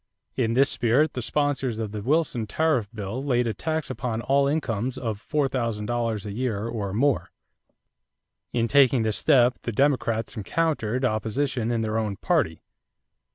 In this spirit the sponsors of the Wilson tariff bill laid a tax upon all incomes of $4000 a year or more. In taking this step, the Democrats encountered opposition in their own party.